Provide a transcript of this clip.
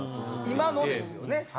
「今の」ですよね。